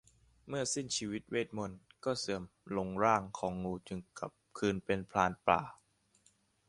เมื่อสิ้นชีวิตเวทย์มนตร์ก็เสื่อมลงร่างของงูจึงกลับคืนเป็นพรานป่า